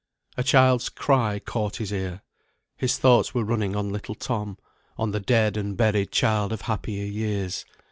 A child's cry caught his ear. His thoughts were running on little Tom; on the dead and buried child of happier years.